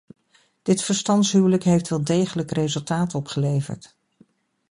Dit verstandshuwelijk heeft wel degelijk resultaat opgeleverd.